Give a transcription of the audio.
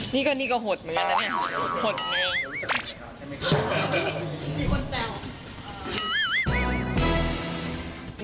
นี่ก็นี่ก็หดเหมือนกันนะเนี่ยมีคนแซว